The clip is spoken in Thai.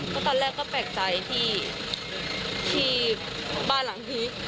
ก็ตอนแรกก็แปลกใจที่บ้านหลังนี้